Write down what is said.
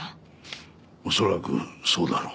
恐らくそうだろう。